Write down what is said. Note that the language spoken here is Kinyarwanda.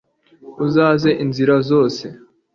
uzaze inzira zose